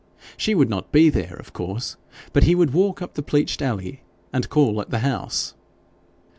She would not be there, of course, but he would walk up the pleached alley and call at the house.